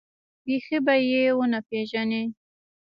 بيخي به يې ونه پېژنې.